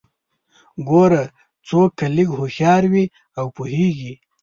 ګوره څوک که لږ هوښيار وي او پوهیږي